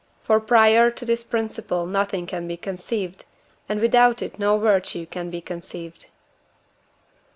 For prior to this principle nothing can be conceived, and without it no virtue can be conceived.